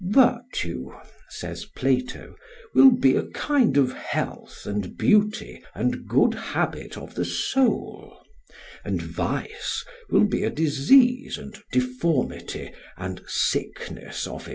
"Virtue," says Plato, "will be a kind of health and beauty and good habit of the soul; and vice will be a disease and deformity and sickness of it."